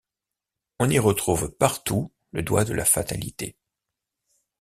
On y retrouve partout le doigt de la fatalité.